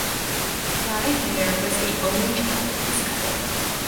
Rana Hammir was the only child of this couple.